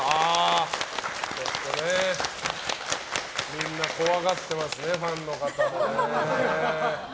みんな怖がってますねファンの方もね。